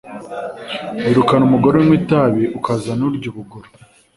Wirukana umugore unywa itabi ukazana urya ubugoro